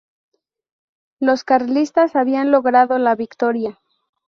Los carlistas habían logrado la victoria.